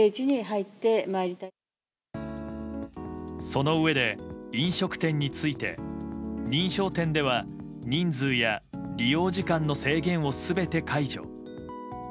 そのうえで飲食店について認証店では人数や利用時間の制限を全て解除。